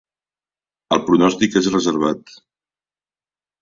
El pronòstic és reservat.